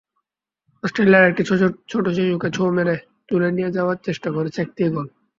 অস্ট্রেলিয়ায় একটি ছোট্ট শিশুকে ছোঁ মেরে তুলে নিয়ে যাওয়ার চেষ্টা করেছে একটি ইগল।